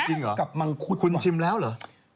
จริงเหรอคุณชิมแล้วเหรอเอ๊ะ